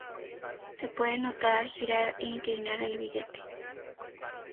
Se puede notar al girar e inclinar el billete.